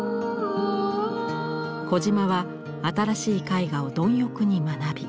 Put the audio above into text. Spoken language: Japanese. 児島は新しい絵画を貪欲に学び